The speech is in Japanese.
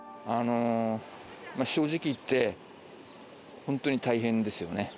正直言って、本当に大変ですよね。